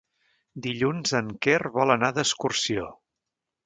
Dilluns en Quer vol anar d'excursió.